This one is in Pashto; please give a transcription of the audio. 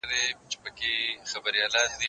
زه به سبزیجات وچولي وي!.